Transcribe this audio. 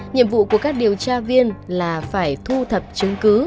nhiệm vụ của các điều tra viên là phải thu thập chứng cứ